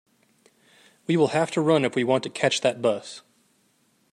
We will have to run if we want to catch that bus.